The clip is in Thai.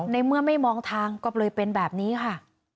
ในเมื่อไม่มองทางก็เลยเป็นแบบนี้ค่ะ